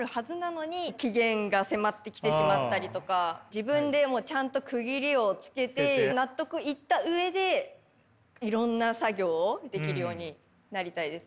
自分でもちゃんと区切りをつけて納得いった上でいろんな作業をできるようになりたいですね。